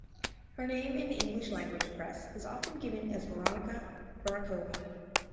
Her name in the English language press is often given as Veronica Varekova.